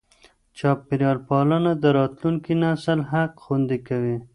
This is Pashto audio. چاپېریال پالنه د راتلونکي نسل حق خوندي کوي.